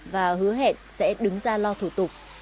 và hứa hẹn sẽ đứng ra lo thủ tục